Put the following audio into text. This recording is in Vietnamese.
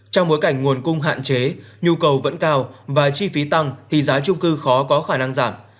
trong bối cảnh nguồn cung hạn chế nhu cầu vẫn cao và chi phí tăng thì giá trung cư khó có khả năng giảm